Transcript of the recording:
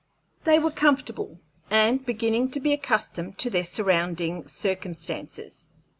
They were comfortable, and beginning to be accustomed to their surrounding circumstances.